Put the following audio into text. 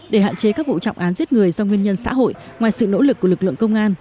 để hạn chế các vụ trọng án giết người do nguyên nhân xã hội ngoài sự nỗ lực của lực lượng công an